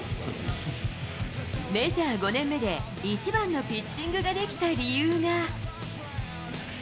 メジャー５年目で一番のピッチングができた理由が。